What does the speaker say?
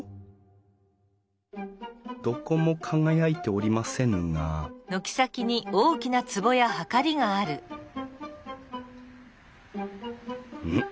どこも輝いておりませんがん？